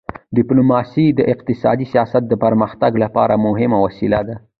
ډیپلوماسي د اقتصادي سیاست د پرمختګ لپاره مهمه وسیله ده.